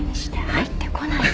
入ってこないで。